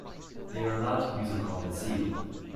They are allowed to use a common seal.